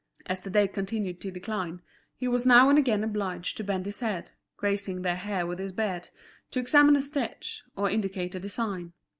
As the day continued to decline, he was now and again obliged to bend his head, grazing their hair with his beard, to examine a stitch, or indicate a design.